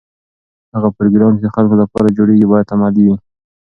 هغه پروګرام چې د خلکو لپاره جوړیږي باید عملي وي.